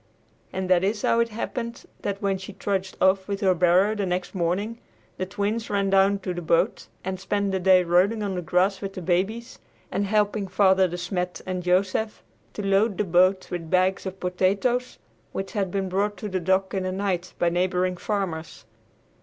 And that is how it happened that, when she trudged off with her barrow the next morning, the Twins ran down to the boat and spent the day rolling on the grass with the babies, and helping Father De Smet and Joseph to load the boat with bags of potatoes which had been brought to the dock in the night by neighboring farmers.